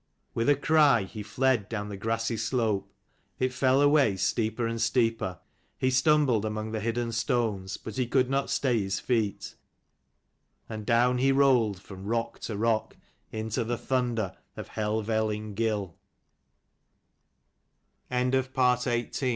With a cry he fled down the grassy slope. It fell away steeper and steeper. He stumbled among the hidden stones: but he could not stay his feet ; and down he rolled from rock to rock, into the thunder of Hel